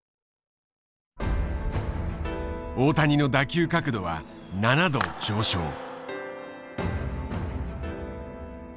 大谷の打球角度は７度上昇。